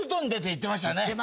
言ってましたよね。